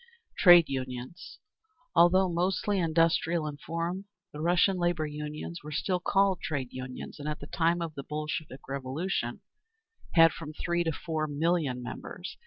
2. Trade Unions. Although mostly industrial in form, the Russian labour unions were still called Trade Unions, and at the time of the Bolshevik Revolution had from three to four million members.